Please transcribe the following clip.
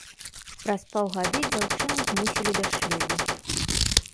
Праз паўгады дзяўчыну змусілі да шлюбу.